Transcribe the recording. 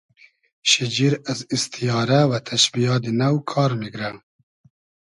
شیجیر از ایستیارۂ و تئشبیات نۆ کار میگرۂ